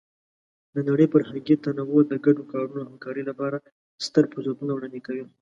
د نړۍ فرهنګي تنوع د ګډو کارونو او همکارۍ لپاره ستر فرصتونه وړاندې کوي.